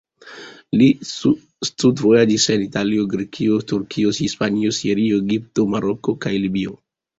Li studvojaĝis en Italio, Grekio, Turkio, Hispanio, Sirio, Egipto, Maroko kaj Libio.